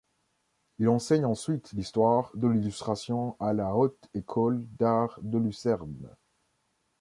Il enseigne ensuite l’histoire de l’illustration à la Haute École d’Art de Lucerne.